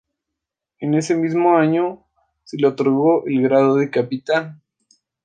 En ese mismo año se le otorgó el grado de Capitán.